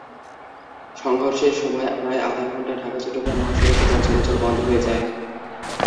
সংঘর্ষের সময় প্রায় আধা ঘণ্টা ঢাকা-চট্টগ্রাম মহাসড়কে যান চলাচল বন্ধ হয়ে যায়।